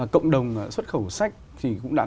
cộng đồng xuất khẩu sách thì cũng đã